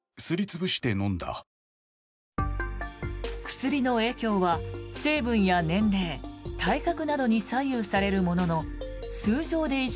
薬の影響は成分や年齢体格などに左右されるものの数錠で意識